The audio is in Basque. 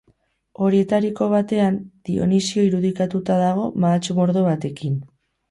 Horietariko batean Dionisio irudikatuta dago mahats-mordo batekin.